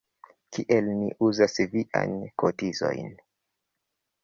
Kiel ni uzas viajn kotizojn?